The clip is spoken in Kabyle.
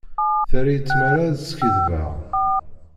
Terra-yi tmara ad skiddbeɣ.